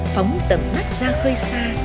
phóng tầm mắt ra khơi xa